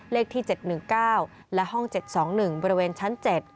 เลขที่๗๑๙และห้อง๗๒๑บริเวณชั้น๗